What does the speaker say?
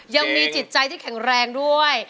ยังมีจิตใจที่แข็งแรงด้วย